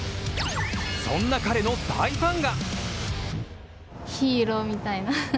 そんな彼には、大ファンが。